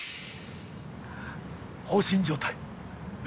放心状態。